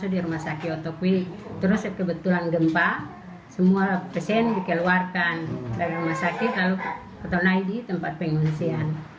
di rumah sakit otokwik kebetulan semua pesen dikeluarkan dari rumah sakit dan ditempatkan di pengungsian